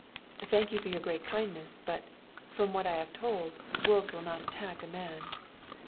"I thank you for your great kindness; but, from what I am told, wolves will not attack a man."